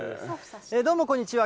どうもこんにちは。